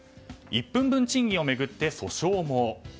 １分ぶん賃金を巡って訴訟も。